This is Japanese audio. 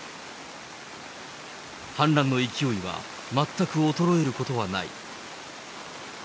氾濫の勢いは全く衰えることはない。